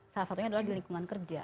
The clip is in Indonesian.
salah satunya adalah di lingkungan kerja